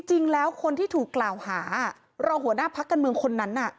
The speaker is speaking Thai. จริงแล้วคนที่ถูกกล่าวหารองหัวหน้าพักการเมืองคนนั้นน่ะ